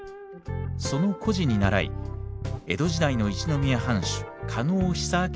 その故事に倣い江戸時代の一宮藩主加納久